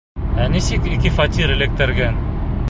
Ә нисек ике фатир эләктергән?